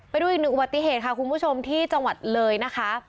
ไปดูอีกหนึ่งอุบัติเหตุค่ะคุณผู้ชมที่จังหวัดเลยนะคะ